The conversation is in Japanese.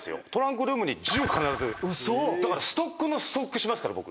嘘⁉ストックのストックしますから僕。